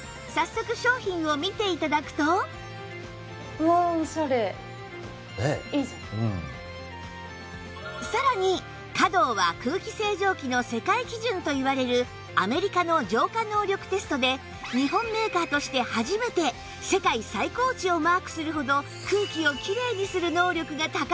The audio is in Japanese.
早速さらに ｃａｄｏ は空気清浄機の世界基準といわれるアメリカの浄化能力テストで日本メーカーとして初めて世界最高値をマークするほど空気をきれいにする能力が高いんです